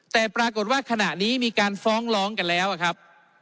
แต่ปรากฏว่าขณะนี้มีการฟ้องร้องกันแล้วครับ